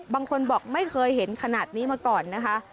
บางคนบอกไม่เคยเห็นขนาดนี้มาก่อนนะคะ